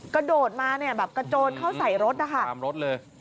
กระโดดมาแบบกระโดดเข้าใส่รถตามรถเลย